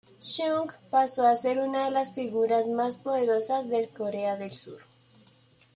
Chung pasó a ser una de las figuras más poderosas de Corea del Sur.